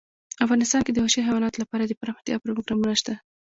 افغانستان کې د وحشي حیواناتو لپاره دپرمختیا پروګرامونه شته.